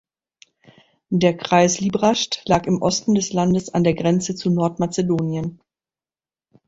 Der Kreis Librazhd lag im Osten des Landes an der Grenze zu Nordmazedonien.